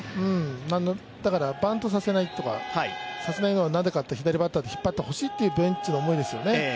だからバントさせないのはなんでかっていうと左バッターで引っ張ってほしいというベンチの思いですよね。